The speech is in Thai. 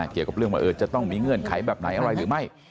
เกี่ยวกับเรื่องว่าจะต้องมีเงื่อนไขแบบไหนอะไรหรือไม่